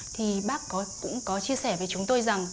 thì bác cũng có chia sẻ với chúng tôi rằng